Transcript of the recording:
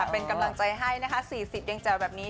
เป็นกำลังใจให้๔๐เย็งเจ๋วแบบนี้